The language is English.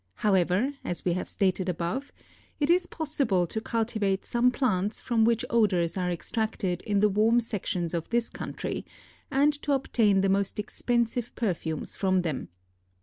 However, as we have stated above, it is possible to cultivate some plants from which odors are extracted in the warm sections of this country, and to obtain the most expensive perfumes from them.